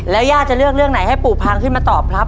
แล้วย่าจะเลือกเรื่องไหนให้ปู่พังขึ้นมาตอบครับ